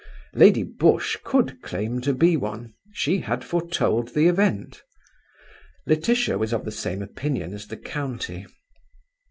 Lady Busshe could claim to be one; she had foretold the event. Laetitia was of the same opinion as the county.